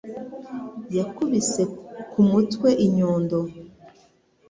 Yankubise ku mutwe inyundo.